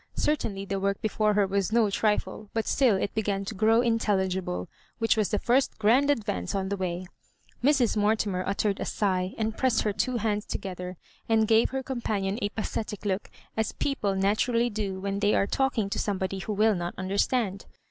Cer tainly the work before her was no trifle ; but still it began to grow intelligible, which was the first grand adyance on the way. Mrs. Mortimer uttered a sigh, and pressed her two hands together, and gave her companion a pathetic look, as people naturally do when they are talking to somebody who will not understand.